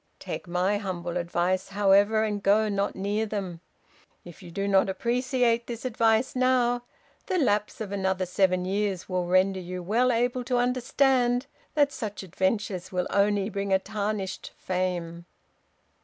Take my humble advice, however, and go not near them. If you do not appreciate this advice now, the lapse of another seven years will render you well able to understand that such adventures will only bring a tarnished fame."